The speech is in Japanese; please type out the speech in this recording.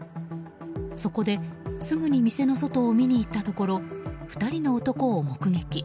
そこですぐに店の外を見に行ったところ２人の男を目撃。